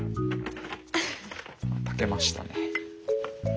炊けましたね。